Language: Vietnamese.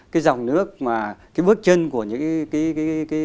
cái dòng nước mà cái bước chân của những cái